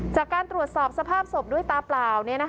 จากการตรวจสอบสภาพศพด้วยตาเปล่า